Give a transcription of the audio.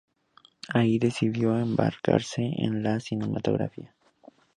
Allí decidió embarcarse en la cinematografía.